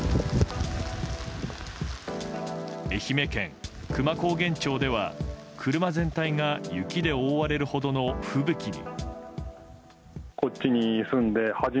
愛媛県久万高原町では、車全体が雪で覆われるほどの吹雪に。